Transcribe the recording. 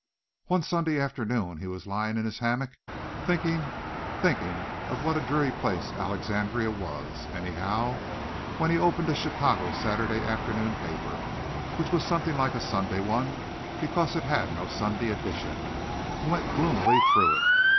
One Sunday afternoon he was lying in his hammock thinking, thinking of what a dreary place Alexandria was, anyhow, when he opened a Chicago Saturday afternoon paper, which was something like a Sunday one because it had no Sunday edition, and went gloomily through it.